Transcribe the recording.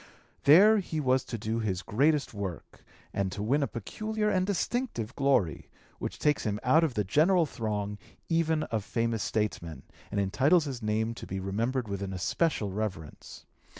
There he was to do his greatest work and to win a peculiar and distinctive glory which takes him out of the general throng even of famous statesmen, and entitles his name to be remembered with an especial reverence.